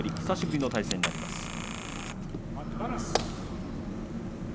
久しぶりの対戦になります。